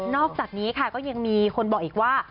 อกจากนี้ค่ะก็ยังมีคนบอกอีกว่า